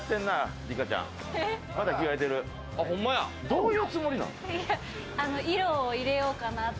どういうつもりなん？